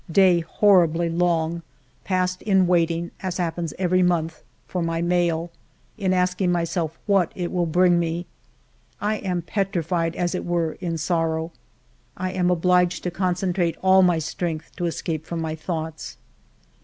Day horribly long, passed in waiting, as hap pens every month, for my mail, in asking myself what it will bring me. I am petrified, as it were, in sorrow. I am obliged to concentrate all my strength to escape from my thoughts.